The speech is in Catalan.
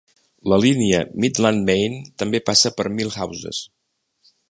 La línia Midland Main també passa per Millhouses.